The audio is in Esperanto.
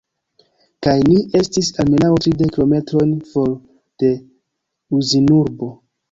Kaj ni estis almenaŭ tridek kilometrojn for de Uzinurbo.